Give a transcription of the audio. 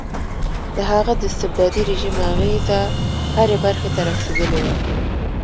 د هغه د استبدادي رژیم اغېزه هرې برخې ته رسېدلې وه.